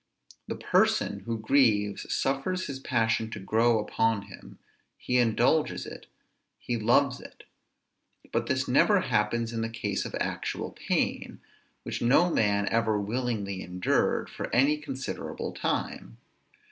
The person who grieves suffers his passion to grow upon him; he indulges it, he loves it: but this never happens in the case of actual pain, which no man ever willingly endured for any considerable time.